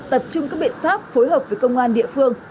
tập trung các biện pháp phối hợp với công an địa phương